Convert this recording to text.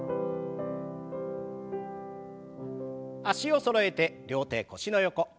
脚をそろえて両手腰の横。